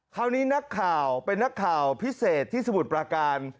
คราวนี้นักข่าวเป็นนักข่าวพิเศษที่สมุทรปราการ